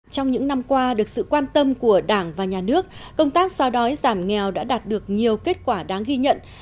trong những năm qua được sự quan tâm của đảng và nhà nước công tác so đói giảm nghèo đã đạt được nhiều kết quả đáng ghi nhận